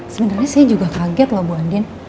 sebenernya saya juga kaget loh bu andi